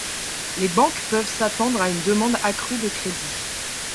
Les banques peuvent s'attendre à une demande accrue de crédit.